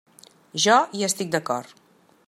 Jo hi estic d'acord.